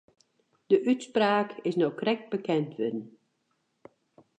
De útspraak is no krekt bekend wurden.